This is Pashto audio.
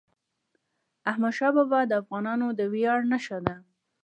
احمدشاه بابا د افغانانو د ویاړ نښه ده.